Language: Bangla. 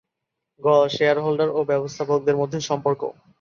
গ. শেয়ারহোল্ডার ও ব্যবস্থাপকদের মধ্যে সম্পর্ক